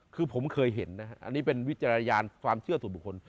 คือผมเคยเห็นนะฮะอันนี้เป็นวิจารณญาณความเชื่อส่วนบุคคล